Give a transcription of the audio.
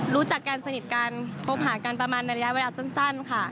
รู้จักกันสนิทกันคบหากันประมาณในระยะเวลาสั้นค่ะ